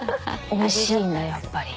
おいしいんだやっぱり。